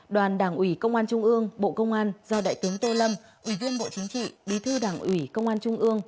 đoàn đảng ủy công an trung ương bộ công an do đại tướng tô lâm ủy viên bộ chính trị bí thư đảng ủy công an trung ương